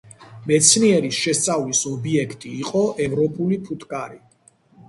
მეცნიერის შესწავლის ობიექტი იყო ევროპული ფუტკარი.